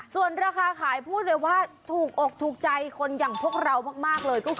ส่วนราคาขายพูดเลยว่าถูกอกถูกใจคนอย่างพวกเรามากเลยก็คือ